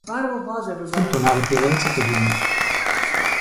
Tento návrh je velice podivný.